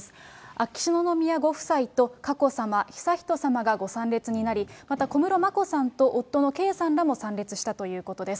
秋篠宮ご夫妻と佳子さま、悠仁さまがご参列になり、また小室眞子さんと夫の圭さんらも参列したということです。